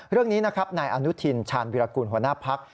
เรื่องนี้นะครับนายอนุทินชาญวิรากูลหัวหน้าพัก